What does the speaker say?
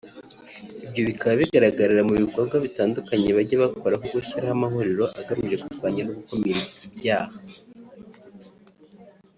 ibyo bikaba bigaragarira mu bikorwa bitandukanye bajya bakora nko gushyiraho amahuriro agamije kurwanya no gukumira ibyaha